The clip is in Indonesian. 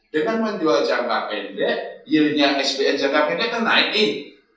dengan menjual jangka pendek yieldnya spn jangka pendek itu naikin